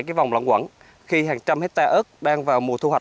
cái vòng lỏng quẩn khi hàng trăm hectare ớt